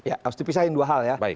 saya ingin menyesuaikan dua hal ya